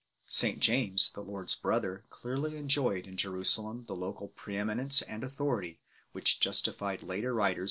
St James, the Lord s brother, clearly enjoyed in Jerusalem the local preeminence and authority 9 which justified later 1 Acts xi.